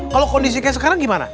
kalau kondisi kayak sekarang gimana